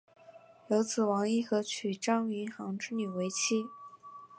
有子王尹和娶张云航之女为妻。